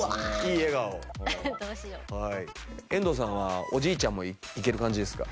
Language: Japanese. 遠藤さんはおじいちゃんもいける感じですか？